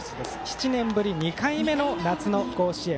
７年ぶり２回目の夏の甲子園。